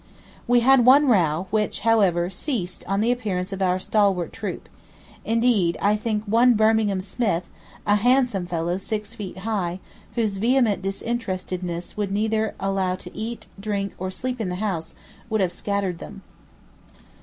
'" 'We had one row, which, however, ceased on the appearance of our stalwart troop; indeed, I think one Birmingham smith, a handsome fellow six feet high, whose vehement disinterestedness would neither allow to eat, drink, or sleep in the house, would have scattered them.